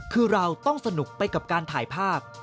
คือเราต้องสนุกไปกับการถ่ายภาพ